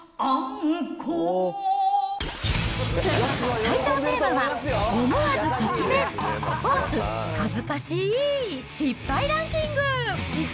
最初のテーマは思わず赤面、スポーツ恥ずかしい失敗ランキング。